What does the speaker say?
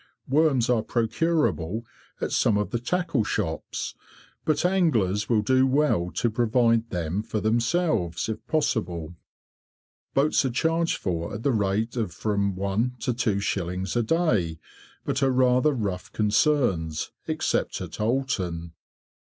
Worms are procurable at some of the tackle shops, but anglers will do well to provide them for themselves if possible. Boats are charged for at the rate of from 1s. to 2s. a day, but are rather rough concerns, except at Oulton.